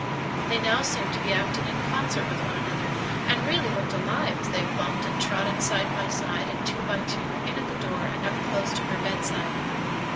They now seemed to be acting in concert with one another, and really looked alive as they bumped and trotted side by side, and two by two, in at the door and up close to her bedside.